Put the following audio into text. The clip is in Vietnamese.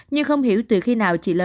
nhưng không hiểu từ khi nào chị l